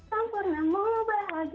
sempurna mu bahagia untukku